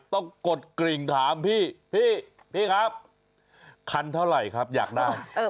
กดกริ่งถามพี่พี่ครับคันเท่าไหร่ครับอยากได้